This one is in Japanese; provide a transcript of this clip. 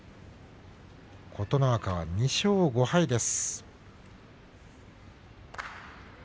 琴ノ若は２勝５敗です。